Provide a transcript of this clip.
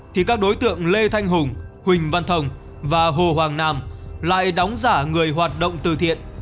thì các đối tượng lê thanh hùng huỳnh văn thông và hồ hoàng nam lại đóng giả người hoạt động từ thiện